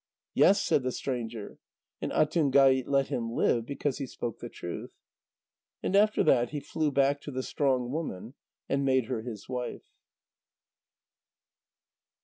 "Yes," said the stranger. And Atungait let him live, because he spoke the truth. And after that he flew back to the strong woman and made her his wife.